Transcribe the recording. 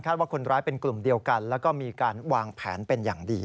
ว่าคนร้ายเป็นกลุ่มเดียวกันแล้วก็มีการวางแผนเป็นอย่างดี